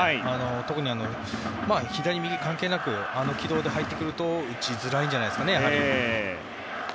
特に左、右関係なくあの軌道で入ってくるとやはり打ちづらいんじゃないですかね。